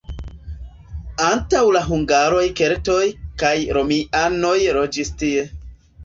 Antaŭ la hungaroj keltoj kaj romianoj loĝis tie.